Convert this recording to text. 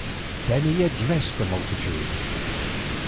Then he addressed the multitude.